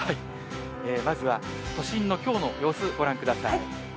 まずは都心のきょうの様子、ご覧ください。